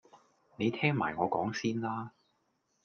你聽埋我講先啦